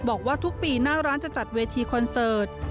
บอกว่าทุกปีหน้าร้านจะจัดเวทีคอนเสิร์ต